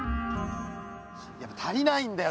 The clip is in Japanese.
やっぱ足りないんだよ